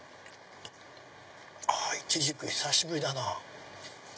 イチジク久しぶりだなぁ。